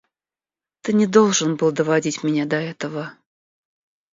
Ты не должен был доводить меня до этого.